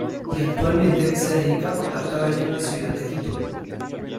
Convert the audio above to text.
Y actualmente se dedica a cortar cabello en la ciudad de Quito.